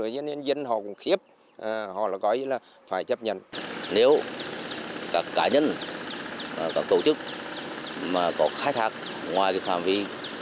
các cá nhân các tổ chức mà có khai thác ngoài phạm vi